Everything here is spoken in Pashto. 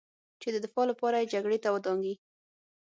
چې د دفاع لپاره یې جګړې ته ودانګي